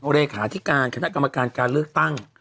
รายคาที่การคณะกรรมการการเลือกตั้ง